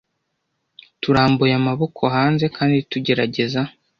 Turambuye amaboko hanze kandi tugerageza